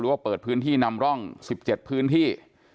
ว่าเปิดพื้นที่นำร่อง๑๗พื้นที่